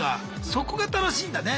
そこが楽しいんだね。